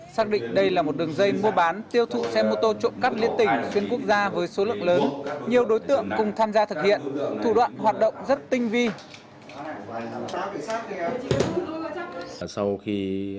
xác định đây là một đường dây mua bán tiêu thụ xe mô tô trộm cắp liên tỉnh xuyên quốc gia với số lượng lớn nhiều đối tượng cùng tham gia thực hiện thủ đoạn hoạt động rất tinh vi